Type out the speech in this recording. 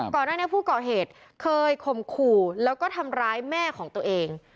ก่อนหน้านี้ผู้ก่อเหตุเคยข่มขู่แล้วก็ทำร้ายแม่ของตัวเอง